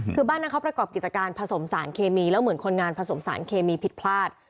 คือบ้านนั้นเขาประกอบกิจการผสมสารเคมีแล้วเหมือนคนงานผสมสารเคมีผิดพลาด